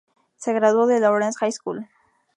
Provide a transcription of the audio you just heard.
Se graduó de Lawrence High School.